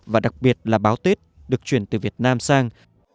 và đặc biệt là báo tết được chuyển từ việt nam sang